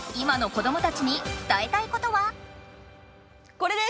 これです！